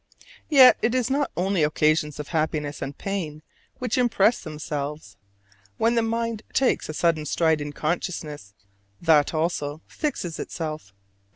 Yet it is not only occasions of happiness and pain which impress themselves. When the mind takes a sudden stride in consciousness, that, also, fixes itself.